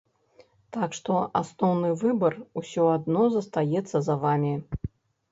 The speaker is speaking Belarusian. Так што, асноўны выбар усё адно застаецца за вамі.